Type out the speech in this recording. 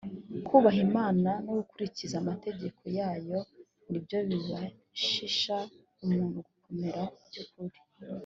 kubaha imana no gukurikiza amategeko yayo ni byo bibashisha umuntu gukomera by’ukuri.